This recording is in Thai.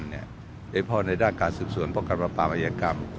โดยเฉพาะในด้านการศึกษวนประกันประมายกรรม